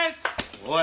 おい！